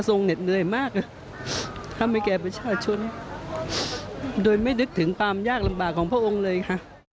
ทำให้แกบริชาชนโดยไม่นึกถึงความยากลำบากของพระองค์เลยค่ะ